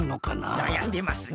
なやんでますね。